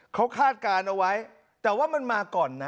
เขาคาดการณ์เอาไว้แต่ว่ามันมาก่อนนะ